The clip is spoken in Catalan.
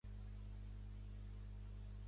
M'estiro com les gallines enjogassades.